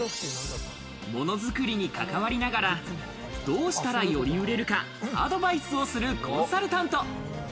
ものづくりに関わりながら、どうしたらより売れるかアドバイスをするコンサルタント。